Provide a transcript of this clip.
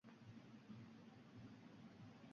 Bu xislat uning tiynatida bor.